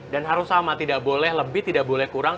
dan harus sama tidak boleh lebih tidak boleh kurang